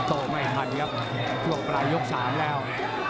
โต้ไม่ทันครับช่วงปลายยก๓แล้ว